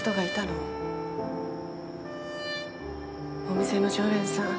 お店の常連さん。